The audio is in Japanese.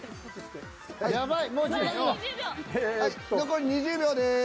残り２０秒です。